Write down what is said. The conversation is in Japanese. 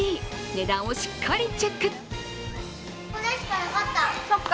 値段をしっかりチェック。